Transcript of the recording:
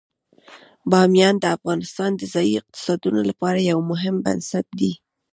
بامیان د افغانستان د ځایي اقتصادونو لپاره یو مهم بنسټ دی.